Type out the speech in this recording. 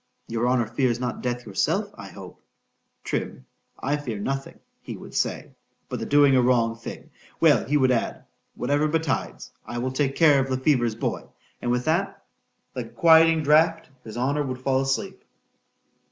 —Your honour fears not death yourself.—I hope, Trim, I fear nothing, he would say, but the doing a wrong thing.——Well, he would add, whatever betides, I will take care of Le Fever's boy.—And with that, like a quieting draught, his honour would fall asleep.